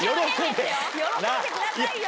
喜んでくださいよ！